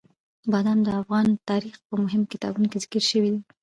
بادام د افغان تاریخ په مهمو کتابونو کې ذکر شوي دي.